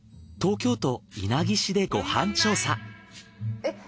東京都稲城市でご飯調査。